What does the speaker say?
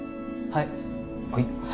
はい。